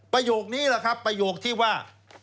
ประโยคนี้แหละครับประโยคที่ว่า